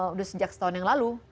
sudah sejak setahun yang lalu